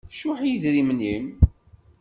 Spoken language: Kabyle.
Cuḥ i yidrimen-im.